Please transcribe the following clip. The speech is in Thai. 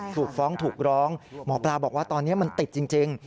ถูกฟ้องถูกร้องหมอปลาบอกว่าตอนนี้มันติดจริง